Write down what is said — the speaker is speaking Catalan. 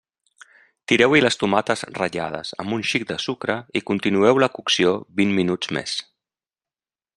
Tireu-hi les tomates ratllades amb un xic de sucre i continueu la cocció vint minuts més.